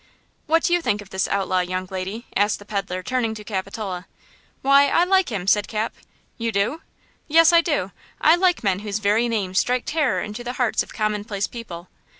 "What do you think of this outlaw, young lady?" asked the peddler, turning to Capitola. "Why, I like him!" said Cap. "You do!" "Yes, I do! I like men whose very names strike terror into the hearts of commonplace people!"